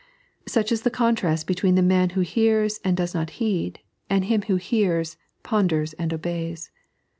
Such is the contrast between the man who hears and does not heed, and him who hears, ponders, and obeys.